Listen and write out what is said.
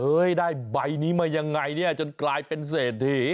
เฮ้ยได้ใบนี้มายังไงจนกลายเป็นเศรษฐี